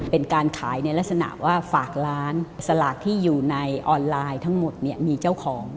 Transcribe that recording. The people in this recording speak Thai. เป็นการขายในลักษณะว่าฝากร้านสลากที่อยู่ในออนไลน์ทั้งหมดเนี่ยมีเจ้าของ